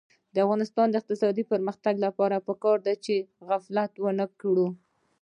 د افغانستان د اقتصادي پرمختګ لپاره پکار ده چې غفلت ونکړو.